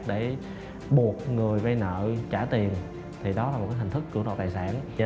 để buộc người vây nợ trả tiền thì đó là một cái hành thức cưỡng đồ tài sản